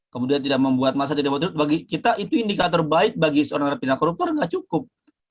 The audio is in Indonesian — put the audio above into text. kemudian tidak membuat masa tidak berturut bagi kita itu indikator baik bagi seorang narapidana koruptor tidak cukup